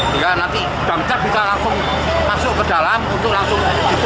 jika nanti damca bisa langsung masuk ke dalam itu langsung ditumpahkan pasir batu